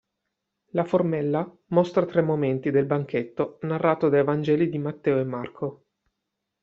La formella mostra tre momenti del banchetto narrato dai Vangeli di Matteo e Marco.